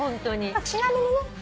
ちなみにね